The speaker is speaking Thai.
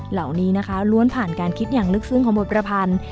เหล่านี้นะคะล้วนผ่านการคิดอย่างลึกซึ้งของบทประพันธ์